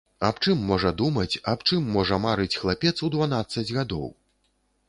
Аб чым можа думаць, аб чым можа марыць хлапец у дванаццаць гадоў?